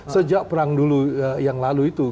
sejak perang dulu yang lalu itu